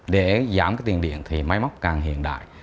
để giảm cái tiền điện thì máy móc càng hiện đại